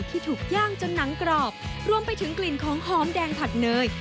ที่ถูกย่างจนหนังกรอบรวมไปถึงกลิ่นของหอมแดงผัดเนย